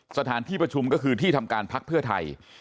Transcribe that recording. สถานที่ประชุมก็คือที่ทำการพักเพื่อไทย